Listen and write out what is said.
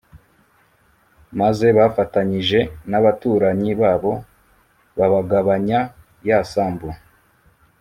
maze bafatanyije n’abaturanyi babo babagabanya ya sambu